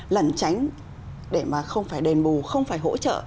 lẩn tránh để mà không phải đền bù không phải hỗ trợ